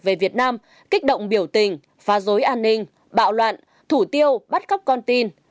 về việt nam kích động biểu tình phá dối an ninh bạo loạn thủ tiêu bắt cóc con tin